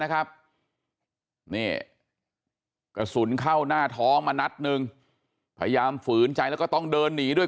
นะครับนี่กระสุนเข้าหน้าท้องมานัดหนึ่งพยายามฝืนใจแล้วก็ต้องเดินหนีด้วย